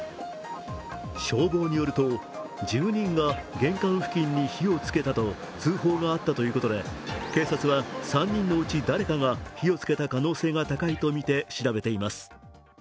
消防によると、住人が玄関付近に火をつけたと通報があったということで警察は３人のうち誰かが火をつけた可能性が高いとみて調べています。